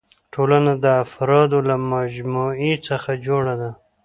ټولنه د افرادو له مجموعي څخه جوړه ده.